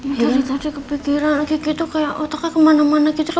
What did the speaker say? iya tadi tadi kepikiran lagi gitu kayak otaknya kemana mana gitu loh